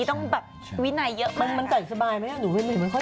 ต้องแบบวินัยเยอะมาก